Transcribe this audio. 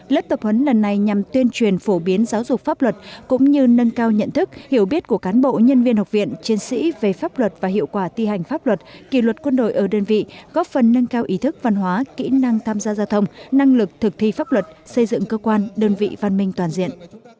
lớp tập huấn lần này nhằm tuyên truyền phổ biến giáo dục pháp luật cũng như nâng cao nhận thức hiểu biết của cán bộ nhân viên học viện chiến sĩ về pháp luật và hiệu quả ti hành pháp luật kỳ luật quân đội ở đơn vị góp phần nâng cao ý thức văn hóa kỹ năng tham gia giao thông năng lực thực thi pháp luật xây dựng cơ quan đơn vị văn minh toàn diện